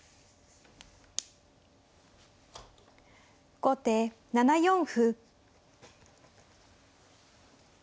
後手７四歩。